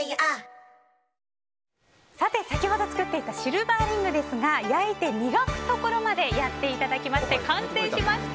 先ほど作っていたシルバーリングですが焼いて、磨くところまでやっていただきまして完成しました！